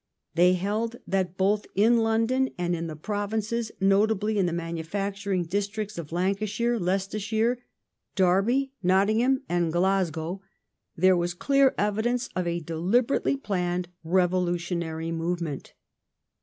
They held that both in London and in the provinces — notably in the manufacturing districts of Lancashire, Leicestershire, Derby, Nottingham, and Glasgow — there was clear evidence of a deliber ately planned revolutionary movement.